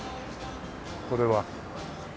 これは。